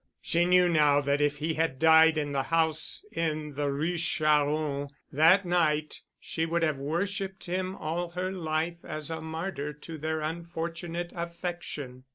She knew now that if he had died in the house in the Rue Charron that night she would have worshiped him all her life as a martyr to their unfortunate affection.